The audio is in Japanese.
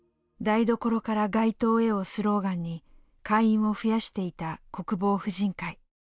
「台所から街頭へ」をスローガンに会員を増やしていた国防婦人会。